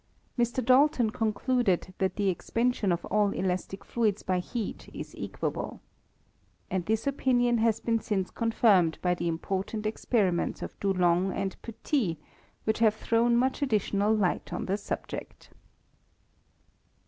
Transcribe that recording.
Mr. Dalton concluded that the expansion of all elastic fluids by heat is equable. And this opinion has been since con firmed by the important experiments of Dulong and Petit, which have thrown much additional light on the subject.